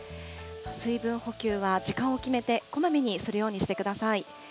水分補給は時間を決めて、こまめにするようにしてください。